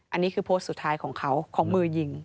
อันนี้คือโพสต์สุดท้ายของเขาของมือยิง